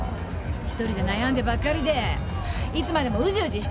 一人で悩んでばっかりでいつまでもウジウジしてるってことよ。